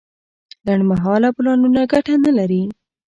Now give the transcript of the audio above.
لنډمهاله پلانونه ګټه نه لري.